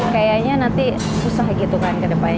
kayaknya nanti susah gitu kan ke depannya